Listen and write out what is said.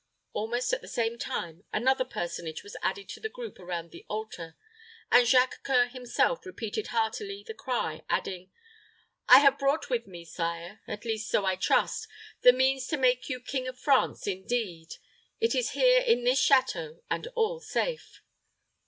Almost at the same time, another personage was added to the group around the altar, and Jacques C[oe]ur himself repeated heartily the cry, adding, "I have brought with me, sire at least, so I trust the means to make you King of France, indeed. It is here in this château, and all safe."